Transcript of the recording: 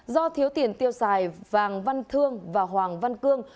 do thiếu tiền tiêu xài vàng văn thương và hoàng văn cương